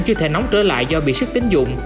chưa thể nóng trở lại do bị sức tính dụng